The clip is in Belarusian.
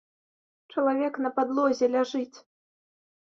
Чалавек на падлозе ляжыць.